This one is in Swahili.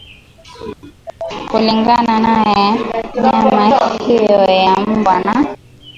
Kulingana naye nyama hiyo ya mbwa na